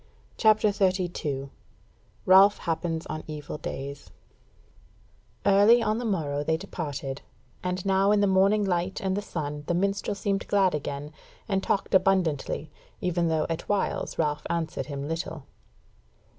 CHAPTER 32 Ralph Happens on Evil Days Early on the morrow they departed, and now in the morning light and the sun the minstrel seemed glad again, and talked abundantly, even though at whiles Ralph answered him little.